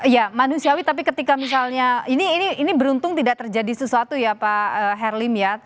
ya manusiawi tapi ketika misalnya ini beruntung tidak terjadi sesuatu ya pak herlim ya